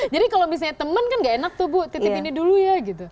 jadi kalau misalnya temen kan gak enak tuh bu titip ini dulu ya gitu